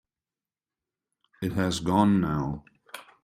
It has gone now.